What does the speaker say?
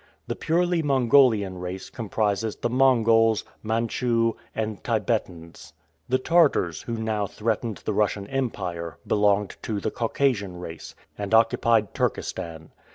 The purely Mongolian race comprises the Mongols, Manchoux, and Thibetans. The Tartars who now threatened the Russian Empire, belonged to the Caucasian race, and occupied Turkestan.